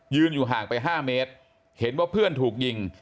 อยู่ห่างไป๕เมตรเห็นว่าเพื่อนถูกยิง